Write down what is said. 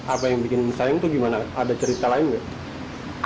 apa yang bikin kesayang itu gimana ada cerita lain gak